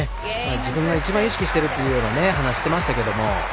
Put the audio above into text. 自分が一番意識しているという話をしていましたけど。